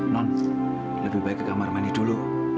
non lebih baik ke kamar mandi dulu